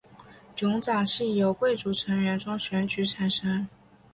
酋长系由贵族成员中选举产生。